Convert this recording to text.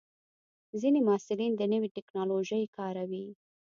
ځینې محصلین د نوې ټکنالوژۍ کاروي.